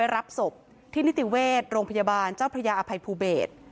รับศพที่นิติเวชโรงพยาบาลเจ้าพระยาอภัยภูเบศ